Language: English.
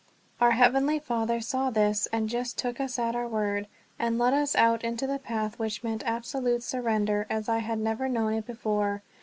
Our Heavenly Father saw this and just took us at our word, and led us out into the path which meant absolute surrender as I had never known it before.